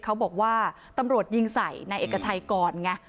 เขาบอกว่าตำรวจยิงใส่นายเอกชัยก่อนไง